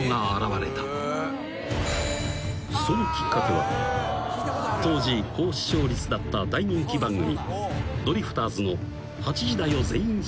［そのきっかけは当時高視聴率だった大人気番組ドリフターズの］